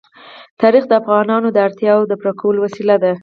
تاریخ د افغانانو د اړتیاوو د پوره کولو وسیله ده.